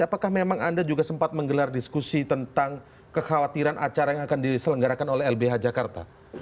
apakah memang anda juga sempat menggelar diskusi tentang kekhawatiran acara yang akan diselenggarakan oleh lbh jakarta